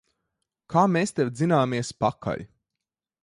Kā mēs tev dzināmies pakaļ!